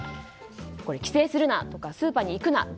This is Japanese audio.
帰省するな！とかスーパーに行くな！